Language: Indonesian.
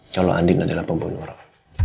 kalau andin adalah pembunuh